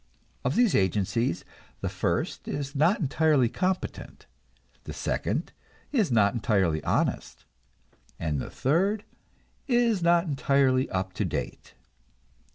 Of these agencies, the first is not entirely competent, the second is not entirely honest, and the third is not entirely up to date.